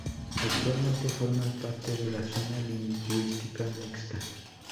Actualmente forma parte de la Zona Lingüística Mixta.